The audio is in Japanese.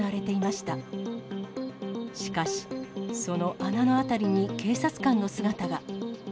しかし、その穴の辺りに警察官の姿が。